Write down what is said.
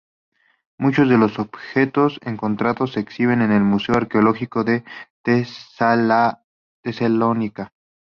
Muchos de los objetos encontrados se exhiben en el Museo Arqueológico de Tesalónica.